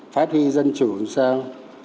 phát huy dân chủ làm sao